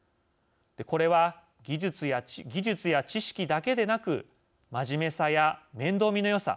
これは、技術や知識だけでなく真面目さや面倒見のよさ。